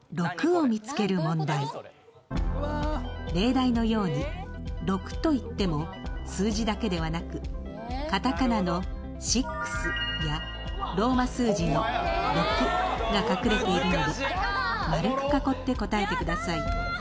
例題のように「ろく」といっても数字だけではなくカタカナの「シックス」やローマ数字の「Ⅵ」が隠れているので丸く囲って答えてください。